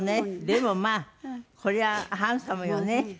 でもまあこりゃハンサムよね。